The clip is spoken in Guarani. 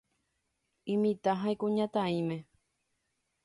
Imitã ha ikuñataĩme.